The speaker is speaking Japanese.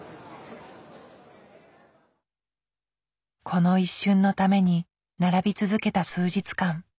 この一瞬のために並び続けた数日間。